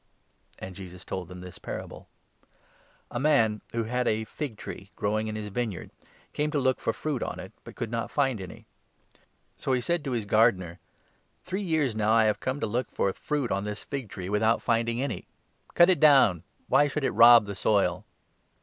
And Jesus told them this parable — 6 Th "A man, who had a fig tree growing in his barren vineyard, came to look for fruit on it, but r\f Tree, could not find any. So he said to his gardener 7 ' Three years now I have come to look for fruit on this fig tree, B» Mic. 7. 6. LUKE, 13. 137 without finding any ! Cut it down. Why should it rob the soil